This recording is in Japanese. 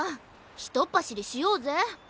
ひとっぱしりしようぜ。